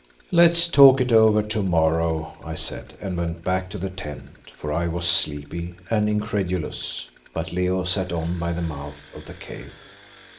"Let's talk it over to morrow," I said, and went back to the tent, for I was sleepy and incredulous, but Leo sat on by the mouth of the cave.